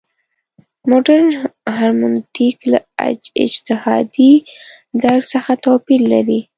مډرن هرمنوتیک له اجتهادي درک څخه توپیر لري.